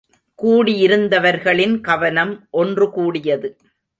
கூடியிருந்தவர்களின் கவனம் ஒன்று கூடியது.